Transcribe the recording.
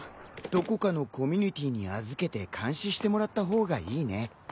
どこかのコミュニティーに預けて監視してもらった方がいいね。